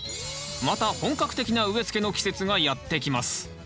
また本格的な植えつけの季節がやってきます。